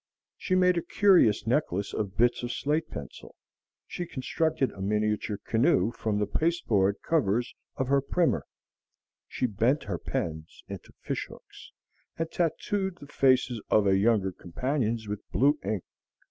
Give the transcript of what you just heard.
She made a curious necklace of bits of slate pencil, she constructed a miniature canoe from the pasteboard covers of her primer, she bent her pens into fish hooks, and tattooed the faces of her younger companions with blue ink.